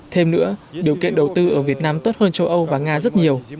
thêm nữa điều kiện đầu tư ở việt nam tốt hơn châu âu và nga rất nhiều